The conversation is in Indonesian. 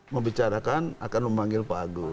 membicarakan akan memanggil pak agung